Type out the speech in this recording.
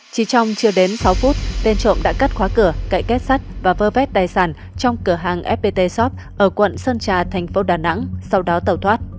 chỉ trong chưa đến sáu phút tên trộm đã cắt khóa cửa cậy kết sắt và vơ vét tài sản trong cửa hàng fpt shop ở quận sơn trà thành phố đà nẵng sau đó tẩu thoát